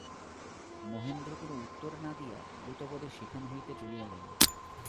মহেন্দ্র কোনো উত্তর না দিয়া দ্রুতপদে সেখান হইতে চলিয়া গেল।